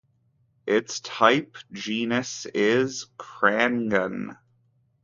Its type genus is "Crangon".